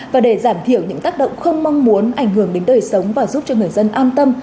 và để giảm thiểu những tác động không mong muốn ảnh hưởng đến đời sống và giúp cho người dân an tâm